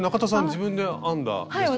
自分で編んだベストですよね？